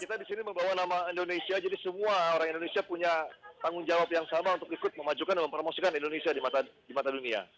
kita disini membawa nama indonesia jadi semua orang indonesia punya tanggung jawab yang sama untuk ikut memajukan dan mempromosikan indonesia di mata dunia